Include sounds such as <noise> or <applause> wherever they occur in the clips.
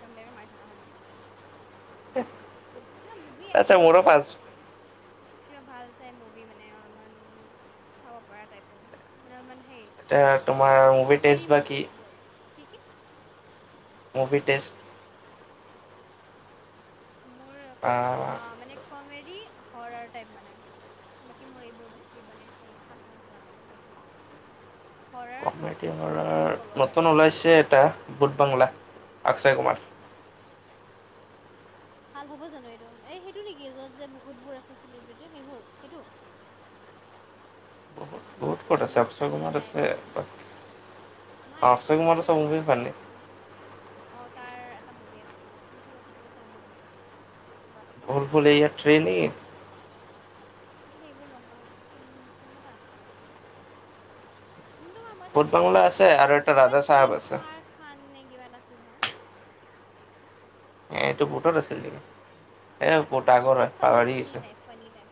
কম বেক মাৰি থকা হ'লে <unintelligible> কিবা মুভি আছে আচ্ছা নেকি মোৰো পাঁচ ভাল? কিবা ভাল চাই মুভি মানে অলপমান চাব পৰা টাইপৰ মানে অলপমান সেই এতিয়া অ তোমাৰ মুভি টেষ্ট কমেডি বা কি মুভিজ বোৰ, কি কি? মুভি টেষ্ট মোৰ আহ মানে অঁ কমেডি হৰৰ টাইপ মানে। বাকী মোৰ এইবোৰ বাছি মানে সেই খাচ ইমান ভাল নালাগে বাকী হৰৰটো কমেডিয়ানৰ বেষ্ট ক'ব গ'লে নতুন ওলাইছে এটা বুট বাংলা অক্ষয় কুমাৰ। ভাল হ'ব জানো এইটো, এই সেইটো নেকি য'ত যে বহুতবোৰ আছে চেলিব্ৰিটি সেইবোৰ সেইটো। বহুত বহুত কত আছে অলপমান অক্ষয় ফানী কুমাৰ টাইপ আছে বাকী নহয় অক্ষয় অক্ষয় কুমাৰৰে আছিল এইটো। অঁ তাৰ এটা মুভি আছে তো, ‌ কোনটো আছিল মই পাহৰি থাকিলোঁ। কিবাচোন ভুল ভুলাইয়া থ্ৰী নেকি এ সেইবোৰ নহয় কোনোবা এটা আছিল। কোনটো মা মই ভূত চাইছিলো ম‌ই পাহৰি বাংলা আছে আৰু থাকিলো, এটা কিবা ৰাজা চাহাব আছে ত্ৰিছ মাৰ খান নে কিবা এটা আছিল নহয়। এই এইটো বুটত আছিল নেকি? এই বুট আগৰ হয় পাহাৰি গৈছো। Funny type.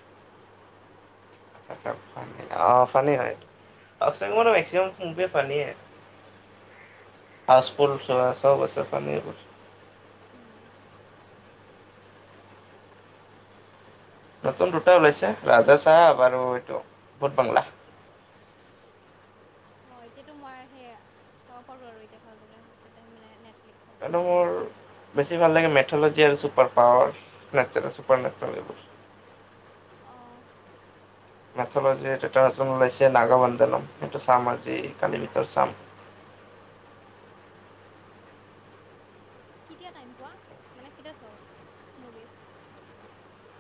আচ্ছা আচ্ছা অঁ ফানি হয় এইটো, অক্ষয় কুমাৰ নো মেক্সিমাম উবে ফানীয়ে, ‌ হাউচ ফুল চোৱা চব আছে ফানী উম নতুন দুটা ওলাইছে ৰাজা চাহাব আৰু এইটো ভোটবাংলা। অঁ এতিয়াতো মই সেই চাব পাৰোঁ আৰু এতিয়া ভালদৰে তাতে মানে নেটফ্লিক্সত। আৰু মোৰ বেছি ভাল লাগে মেথ'লজি আৰু super power natural super natural এইবোৰ। অঁ মেথলজিত এটা এ ওলাইছে নাগৱধনম সেইটো চাম আজি কালি ভিতৰত চাম। কেতিয়া টাইম পোৱা, মানে কেতিয়া চোৱা মুভিজ?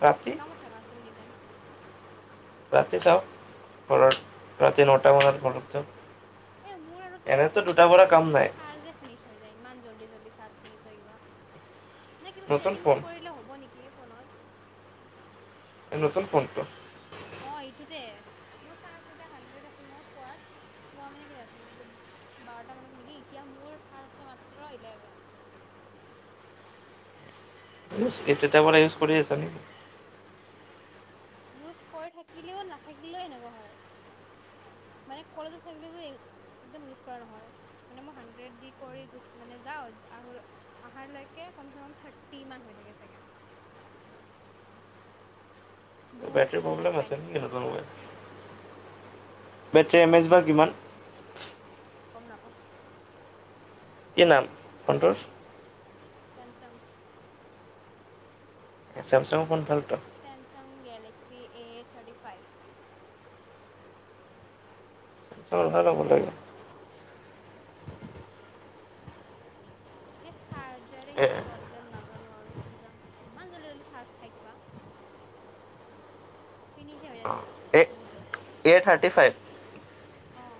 ৰাতি কামত থকা চোন এনিটাইম। ৰাতি চাওক ঘৰত, ৰাতি নটা বজাত ঘৰত যাওঁ। এই মোৰ কিয় এনেতো ফোনটো দুটাৰ পৰা কাম মোৰ নাই চাৰজিনি হয় যায়, ইমান জল্দি জল্দি চাৰ্জ ফিনিছ হয় কিবা, নে কিবা নতুন ছেটিংছ ফোন কৰিলে হব নে কি ফোনত। এই নতন ফোনটো। অঁ এইটোতে মোৰ চাৰ্জ এটা হাণ্ডেৰ্ড আছিল ন পোৱাত। পোৱা মানে কেতিয়া আছিল বাৰট মানত নেকি এতিয়া মোৰ চাৰ্জ আছে মাত্ৰ ইলেভেন। এইদাতা পৰা ইউজ কৰি আছা নেকি? ইউজ কৰি থাকিলেও নাথাকিলেও এনেকুৱা হয়। মানে কলেজে থাকিলেতো একদম ইউজ কৰা নহয়। মানে মই হাণ্ড্ৰেড দি কৰি গো মানে যাওঁ আহ আহাৰ লৈকে কমচে কম থাৰ্টি মান হৈ থাকে চাগে। বহুত বেটৰ জল্দি জল্দি প্ৰব্লেম খাই আছে নে মানে সিহঁতৰ, চাৰ্জ বেটৰী এম এমেইচ বা কিমান? গম নাপাওঁ। কি নাম সন্তোষ। ছেমছাং চেমচাংৰ ফোন ভাল ত। Samsung Galaxy A thirty five. <unintelligible> ল'ব লাগে। এ চাৰ্জাৰে এ কিবা অ প্ৰব্লেম নাজানো আৰু কিবা ইমান জল্দি জল্দি চাৰ্জ খাই কিবা। ফিনিচ হৈ যাই চাৰ্জ এ বহুতৰ জল্ডি। A thirty five. অঁ।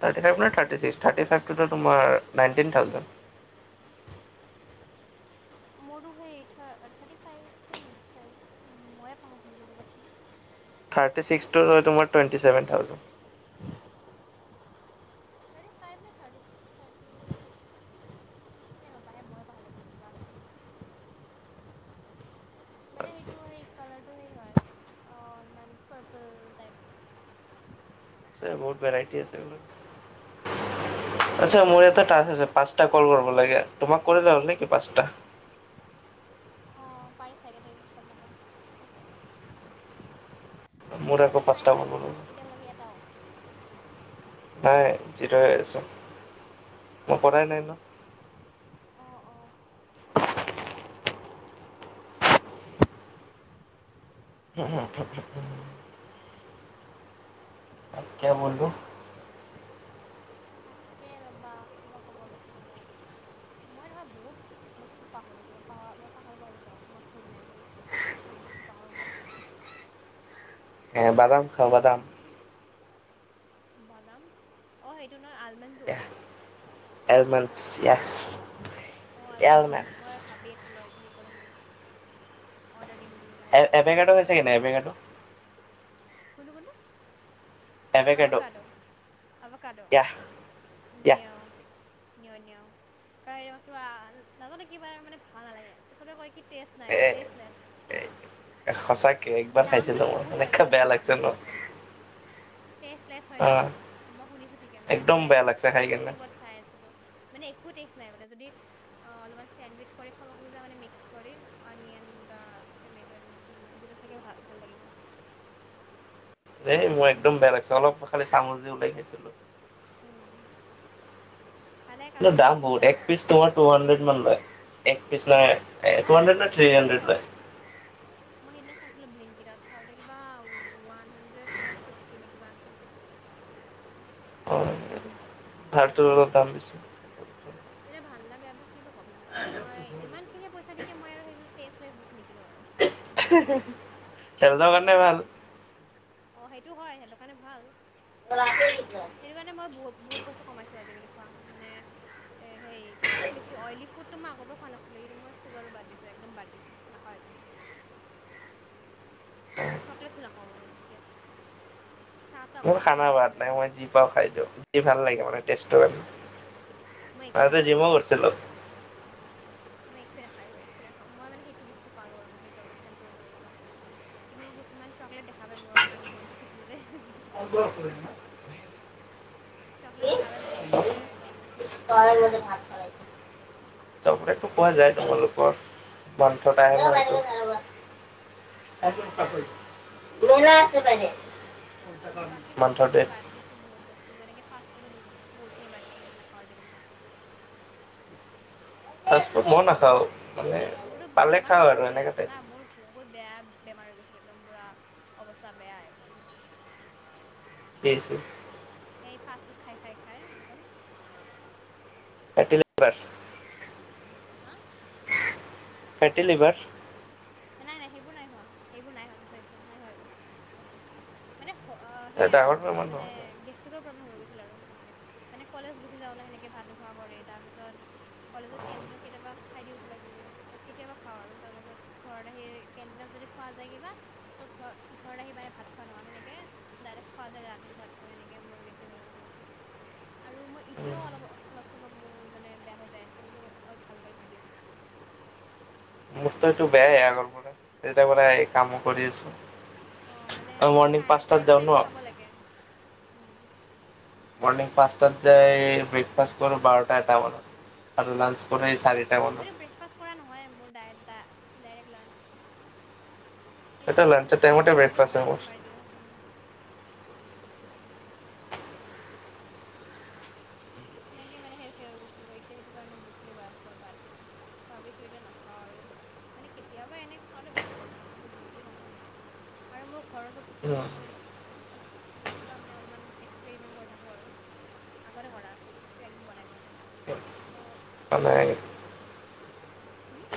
থাৰ্তি ফাইভ নে থাৰ্তি চিক্স থাৰ্তি ফাইভটোত তোমাৰ নাইতিন থাউজেণ্ড। মোৰো সেই থা থাৰ্তি ফাইভে নেকি চাগে, ময়ে পাহৰি থাকিলোঁ ৰ'বাচোন। থাৰ্তি চিক্সটো লৈ তোমাৰ twenty seven thousand. Thirty five নে থাৰ্তিচ থাৰ্তি এই ৰ'বাহে মই পাহাৰি থাকিলোঁ কিবা আছিল। <inaudible> মানে সেইটো সেই কালাৰটো সেই হয় অ অলমান পাৰপল টাইপ। আছে বহুত ভেৰাইটী আছে বোলে। ত' এতিয়া কোনটো বা আচ্ছা হয় মোৰ এটা এতিয়া তাছ আছে পাঁচ তা কল কৰিব লাগে, তোম কৰিলো হ'ল নেকি পচটা? অঁ পাৰে চাগে দেই, গম নাপাওঁ হৈ চাগে। মোৰ তোমাৰটো আকৌ <unintelligible> পাঁচটা নাইহোৱা কৰিব লাগিব এতিয়ালৈকে এটাও। নাই যিটো আছে, মই কৰাই নাই ন। অ অ <unintelligible> অ কিয়া ব'লো? তাকে ৰ'বা কিবা ক'ব লাইছিলোঁ মই। মই নহয় বহুত বস্তু পাহৰোঁ কিবা পাহৰা মই পাহৰি পাহৰি যাওঁ মাচেল মেমৰি। বহুত বস্তু পাহৰোঁ মই। এ বাদাম খাও বাদাম। বাদাম অঁ সেইটো নহয় আলমণ্ডটো। এলমেণ্ছ অঁ অঁ য়েছ। অঁ আলমেণ্ডম এলমণ্ডছ মই ভাবি আছিলোঁ আজি হেই কৰিম বুলি অৰ্ডাৰ দিম বুলি। এ তাৰপিছত আৰু এবেকাটো আৰু হৈছেগে নাই পাহৰিলোঁ এবেকাটো। কোনটো কোনটো এভেকাডো অৱকাদ অবকাদ। য়া য়া নিওঁ নিওঁ নিওঁ। <unintelligible> কিবা নাজানো কিবা মানে ভাল নালাগে চবে কয় কি টেষ্ট নাই বুলি। এ টেষ্টলেছ, সঁচাকে একবাৰ দামটো খাইছিলো মই বহুত হয় এনেকা কিন্তু বেয়া এই লাগছে দামটো ন বহুত হয়। টেষ্টলেছ হয় অ ন, মই শুনিছোঁ ঠিকে মানে একদম মই বেয়া লাগছে খাই কেনে ইউটিউবত চাই আছিলো মানে একো টেষ্ট নাই মানে যদি অহ অলপমান চেণ্ডউইচ কৰি খাব খোজা মানে মিক্স কৰি অনিয়ন বা টমেট দি মানে তেতিয়া চাগে ভা ভাল লাগিব। এই মই একদম বেয়া লাগিছে অলপ খালি চামুজে ওলাই খাইছিলোঁ। উম, ভালে কাৰণ এইটো বহুত দাম হয়। টো হাণ্ড্ৰেড মান লই এক পিছ নাই মই টো এতিয়া হাণ্ড্ৰেড নাই থ্ৰী চাইছিলোঁ হণ্ড্ৰেড লই। সেহত মই সেইদিনা চাইছিলোঁ ব্লিংকিতত চাওঁতে কিবা ওৱান হাণ্ড্ৰেড কিবা ফিফটি নে কিবা আছিল। <unintelligible> ভাৰটো অলপ দাম বেছি। এনে ভাল নে বেয়া বা কিবা গম নাপাওঁ মই ইমানখিনি পইচা দকে মই আৰু সেইবিলাক টেষ্টলেছ বস্তু নিকিনো আৰু। <unintelligible> হেলদৰ কাৰনে ভাল। অ সেইটো হয় সেইটো কাৰণে ভাল। <unintelligible> সেইটো কাৰণে মই, বহ বহুত বস্তু কমাইছো আজিকালি খোৱা, মানে হেৰি কি কয়, বেছি অইলী ফুডটো মই আগৰ পৰা খোৱা নাছিলোঁ, এই মই চুগাৰো বাদ দিছো একদম বাদ দিছোঁ নাখাও একদম। চকলেটছো নাখাওঁ মই তেতিয়া। মোৰ খানা বাত নাছিলোঁৱে নাই, মই যি পাওঁ খাই দিওঁ, যি ভাল লাগে মানে টেষ্টৰ। মই একো আজি নাখাওঁ জিমও এইবোৰ গৈছিলো। মই একো নাখাও এইবোৰ, একো নাখাওঁ মই মানে, সেইটো বস্তু পাৰো আৰু কণ্ট্ৰল কৰিবৰ কাৰণে। কিন্তু কিছুমান চকলেট দেখা পায়, মোৰ অকণমান মনটো পিচলি যায়। চকলেট দেখা পাই, মোৰ মানে একদম সেই হৈ যায়। <unintelligible> এইটো কোৱা যায় তোমালোকৰ <unintelligible> বাকী বস্তু <unintelligible> <unintelligible> দে মই বাদ দিছোঁ বহুত বস্তু। যেনেক ফাষ্ট ফডো বহুতখিনি বাদ দিছোঁ মই নাখাওঁ আজিকালি ফাষ্টফুড। ফাষ্ট ফুড মইও নাখাও মানে মোৰতো পালে বেমাৰ হৈ খাওঁ আৰু গৈছিল এনেকা টাইপ। জানা মোৰ বহুত বেয়া বেমাৰ হৈ গৈছিল একদম পুৰা অৱস্থা বেয়া একদম। কি হৈছিল? এই ফাষ্ট ফুড খাই, খাই, খাই একদম। <unintelligible> হা ফেটি লিভাৰ। নাই, নাই সেইবোৰ নাই হোৱা, সেইবোৰ নাই হোৱা, কৃষ্ণ, কৃষ্ণ নাই হোৱা সেইবোৰ। মানে সেই আৰু ডাঙৰ বহুত বেমাৰ মানে নহয় গেছ গেষ্ট্ৰিকৰ প্ৰব্লেম হৈ গৈছিল আৰু তেনেকৈ মানে কলেজ গুচি যাওঁ ন সেনেকৈ ভাত নোখোৱা কৰি তাৰপিছত কলেজত কেণ্টিনত কেতিয়াবা খাই দিওঁ কিবাকিবি মানে কেতিয়াবা খাওঁ আৰু, তাৰপিছত ঘৰত আহি, কেণ্টিনত যদি খোৱা যায় কিবা তো ঘৰ ঘৰত আহি পাই ভাত খোৱা নহয়, সেনেকে ডাইৰেক্ট খোৱা যায় ৰাতিৰ ভাতটো, সেনেকে মোৰ বেছি হয় গৈছিল। আৰু মই এতিয়াও অলপ অলপ-চলপ মোৰ মানে বেয়া হৈ যায় আছে, কিন্তু অলপ ভাল কৰি ভাবি আছোঁ। মোৰটো এইটো বেয়াই আগৰ পৰা তেতিয়া পৰা এই কামো কৰি আছো। অ', মানে আৰু অ', মৰ্ণিং পাঁচটাত টাইম টু যাওঁ টাইম ন খাব লাগে। মণিং পাছটাত যায় ব্ৰেকফাষ্ট কৰোঁ বাৰটা, এটা মানত আৰু লাঞ্চ কৰে চাৰি মইতো ব্ৰেকফাষ্ট কৰা নহয়ে, মোৰ ডাই ড ডাইৰেক্ট লাঞ্চ। সেইকাৰ এটা কাৰণে মই লাঞ্চৰ টাইমতে কেতিয়াবা, কেতিয়াবা ব্ৰেকফাষ্ট হয় মোৰ ব্ৰাঞ্চ মাৰি দিওঁ। সেনেকেই মানে সে সে হৈ গৈছিল আৰু, এতিয়া সেইটো কাৰণে বহুতখিনি বই বাদ দিছো। ভাবিছোঁ এতিয়া নাখাওঁ আৰু। মানে কেতিয়াবা এনেই খোৱাটো বেলেগ কথা কিন্তু দেইলি নহয় আৰু। আৰু মোৰ ঘৰৰ ওচৰতো তেনেক কেতিয়াবা, কেতিয়াবা মানে অলপমান এক্সপেৰিমেণ্ট কৰি থাকোঁ আৰু, আগতে কৰা। একো বনাই বনাই এতিয়া মানে নকৰোঁ আৰু, হম।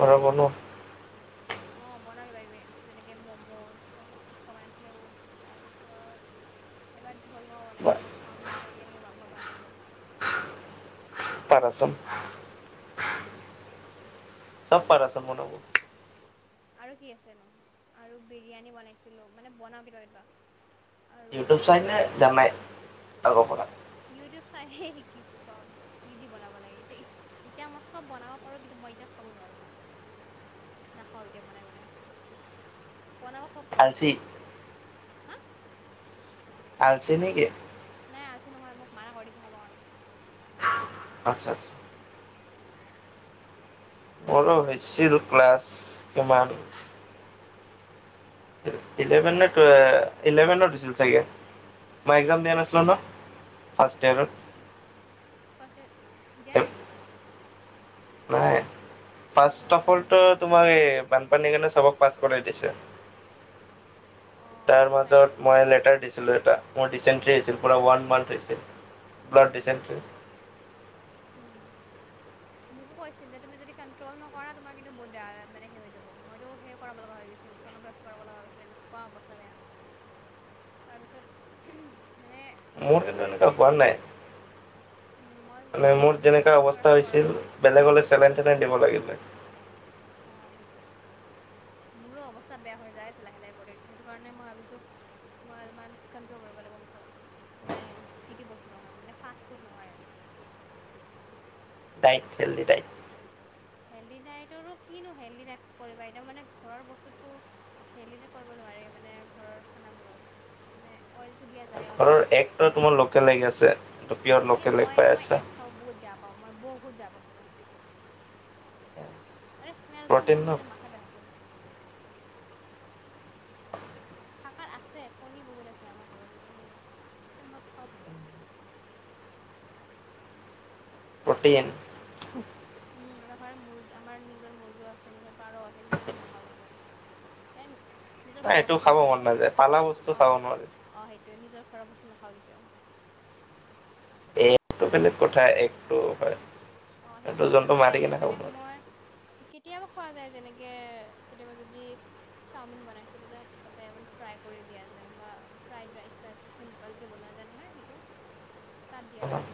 সদায় বনোৱা। অ', বনাওঁ কিবা-কিবি যেনেকে ম'ম'জ, তাৰপিছত ফুচকা বনাইছিলো তাৰপিছত এবাৰ চলো বনাইছিলো, চাওমিন কিবা-কিবি এনেকে মামা বাৰ হতৰ ঘৰত। তাৰ আচল হা। চব পাৰ আছে বনাব আৰু কি আছেনো আৰু বিৰিয়ানী বনাইছিলোঁ মানে বনাওঁ কেতিয়াবা - কেতিয়াবা। আৰু ইউটিউব চাই নে জানাই আগৰ পৰা? ইউটিউব চাইহে শিকিছো চব, যি যি বনাব লাগে হে এতিয়া মই চব বনাব পাৰো কিন্তু মই এতিয়া খাব নোৱাৰো মানে। নাখাওঁ এতিয়া বনাই - বনাই, বনাব চব পাৰোঁ আলজি হা আলছি নেকি? নাই আলছি নহয় মোক মানা কৰিছে খাব কাৰণে। আচ্ছা, আচ্ছা। মোৰো হৈছিল ক্লাছ কিমান ই ইলেভেন নে টোৱে, ইলেভেনত দিছিল চাগে? মই এক্সাম দিয়া নাছিলো ন ফাৰ্ষ্ট ইয়াৰত ফাৰ্ষ্ট ইয়েৰ দিয়াই নেকি? নাই মোৰ ফাৰ্ষ্ট অফ মই অলটো মনত নাই তোমাৰ এই বানপানীৰ কাৰণ চবক পাছ কৰাই দিছে। অঁ তাৰ চাগে মাজত মই লেটাৰ দিছিলোঁ এটা, মোৰ ডিচেণ্ট্ৰি হৈছিল পুৰা ওৱান মান্থ হৈছিল ব্লাড ডিচেণ্ট্ৰি। ওম। মোকো কৈছিল যে তুমি যদি কান্ট্ৰল নকৰা তোমাৰ কিন্তু বহুত বেয়া মানে সেই হৈ যাব মইতো সে কৰাব লগা হৈ গৈছিল, চ'নগ্ৰাফি কৰিব লগা হৈছিল এনেকুৱা অৱস্থা বেয়া। <inaudible> তাৰপিছত উহো মানে যদি মোৰ ত তেনেকোৱা মানে হোৱা নাই মই মানে মোৰ যেনেকা অৱস্থা ছ'ন'গ্ৰাফি হৈছিল, কৰালোঁ বেলেগ হলে চেলেন - তেলেন দিব লাগিল হয়। অ'। মোৰো অৱস্থা বেয়া হৈ যায় আছে লাহে - লাহে কৰি সেইটো কাৰণে মই ভাবিছো মই অলপমান কাণ্ট্ৰল কৰিব লাগিব মুখত। মানে যি তি বস্তু নহয় মানে ফাষ্ট ফুড নহয় আৰু। Diet healthy diet. হেল্ডি ডাইটৰো কিনো হেল্ডি ডাইট কৰিবা একদম মানে ঘৰৰ বস্তুটো হেল্ডি যে কৰিব নোৱাৰি মানে ঘৰৰ খানাবোৰত মানে অইলটো দিয়া যায় অলপ - ঘৰৰ চলপ হ'লেও, একটো তোমাৰ লোকেল এগ আছে। পিয়ৰ এই লোকেল এগ পাই মই মই আছা। এক খাব বহুত বেয়া পাওঁ, মই বহুত বেয়া পাওঁ কিবা আৰে স্মেলটো প্ৰটিন মোৰ ন মানে মাথা বেয়া হৈ যায়। থাকাত আছে, কণী বহুত আছে আমাৰ ঘৰত মানে সেই সেইটো মই খাব ভাল নাপাওঁ। প্ৰটিন। উম, আমাৰ ঘৰত মুৰ্গী আমাৰ নিজৰ মুৰ্গীও আছে, নিজৰ পাৰ আছে কিন্তু আমি নাখাওঁ কেতিয়াও। এ নি নিজৰ নাই ঘৰৰ এইটো বস্তু খাব মন নাখাওঁ আৰু নাযায় পালা বস্তু খাব অ'। নোৱাৰে অ' সেইটোৱে, নিজৰ ঘৰৰ বস্তু নাখাওঁ কেতিয়াও। <unintelligible> অ' এইটো সেইটো যোনটো খাই মাৰি কেনে খাব মানে নোৱাৰে মই কেতিয়াবা খোৱা যায় যেনেকে কেতিয়াবা যদি চাওমিন বনাইছোঁ তেতিয়া তাতে অকমান ফ্ৰাই কৰি দিয়া যায় বা ফ্ৰাইড ৰাইচ টাইপ চিম্পালকে বনোৱা যায় নহয় সেইটো তাত দিয়া যায়।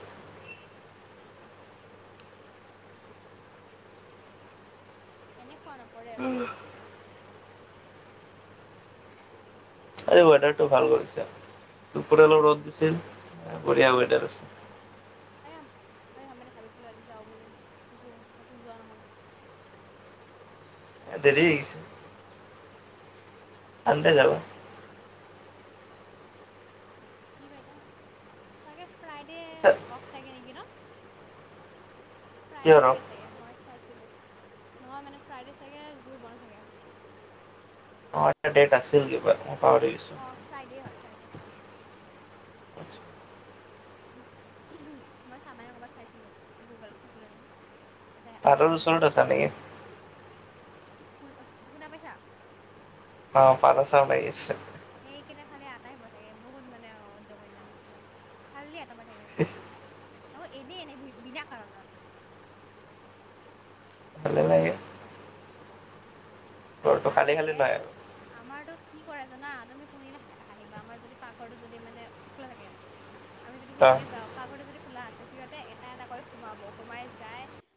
এনেই খোৱা নপৰে আৰু। আজি ৱেডাৰটো ভাল কৰিছে দুপৰিয়া ৰ'দ দিছিল বঢ়িয়া ৱেডাৰ তাই আমি মানে ভাবিছিলোঁ আজি যাওঁ বুলি যো তাৰপিছত যোৱা নহ'ল দেৰি হৈ গৈছে ভাল কে যাবা কি বাইদেউ চাগে আচ্ছা ফ্ৰাইডে' অফ থাকে নেকি ন কিয় ফ্ৰাইডে ৰ থাকে চাগে মই চাইছিলোঁ নহয় মানে ফ্ৰাইডে চাগে জোৰ বনাই থাকে অ এটা ডেট আছিল কিবা মই পাহৰিছোঁ অঁ ফ্ৰাইডে হয় ফ্ৰাইডে মই চা মানে ক'ৰবাত চাইছিলোঁ গুগলত চাচ মাৰি কেনি ভাদৰৰ ওচৰৰত আছা নেকি শুন শুনা পাইছা অ' পাৰ চৰাই মাৰি আছে এইকেইটা খালে আটাই কৈ থাকে বহুত মানে জঘন্য নিচিনা খালিয়ে আতা পাৰি থাকে ত এনেই এনেই বিনা কাৰণত ভালেই লাগে ঘৰটো ভাল খালী খালী লাগে নহয় আমাৰতো কি কৰে জানা তুমি শুনিলে হাঁ হাঁহিবা আমাৰ যদি পাকঘৰটো যদি মানে খোলা থাকে আমি যদি আৰু সিপিনে যাওঁ পাকঘৰটো যদি খোলা আছে সিহঁতে এটা এটা কৰি সোমাব সোমাই যায়